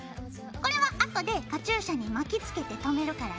これはあとでカチューシャに巻きつけてとめるからね。